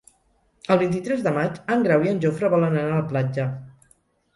El vint-i-tres de maig en Grau i en Jofre volen anar a la platja.